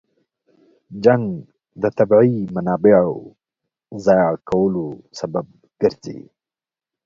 جنګ د طبیعي منابعو ضایع کولو سبب ګرځي.